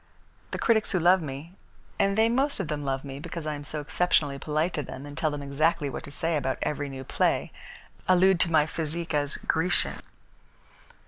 The critics who love me, and they most of them love me because I am so exceptionally polite to them, and tell them exactly what to say about every new play, allude to my physique as Grecian."